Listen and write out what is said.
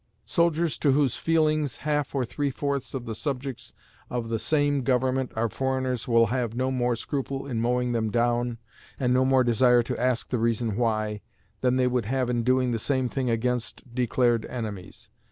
Soldiers to whose feelings half or three fourths of the subjects of the same government are foreigners will have no more scruple in mowing them down, and no more desire to ask the reason why, than they would have in doing the same thing against declared enemies.